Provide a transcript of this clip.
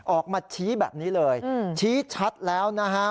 ออกมาชี้แบบนี้เลยชี้ชัดแล้วนะฮะ